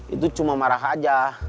itu cuma marah aja